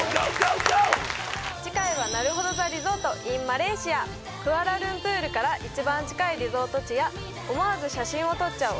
次回はなるほど・ザ・リゾートｉｎマレーシアクアラルンプールから一番近いリゾート地や思わず写真を撮っちゃう